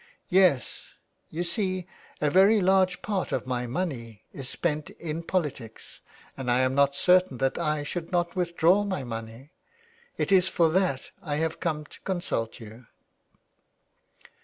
'^" Yes. You see a very large part of my money is 364 THE WILD GOOSE. spent in politics and I am not certain that I should not withdraw my money. It is for that I have come to consult you."